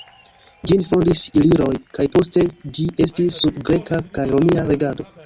Ĝin fondis iliroj, kaj poste ĝi estis sub greka kaj romia regado.